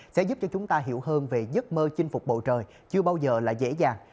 sẽ giúp cho chúng ta hiểu hơn về giấc mơ chinh phục bầu trời chưa bao giờ là dễ dàng